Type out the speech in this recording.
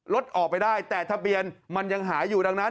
รถออกไปได้แต่ทะเบียนมันยังหาอยู่ดังนั้น